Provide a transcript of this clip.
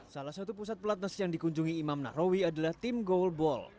salah satu pusat pelatnas yang dikunjungi imam nahrawi adalah tim goalball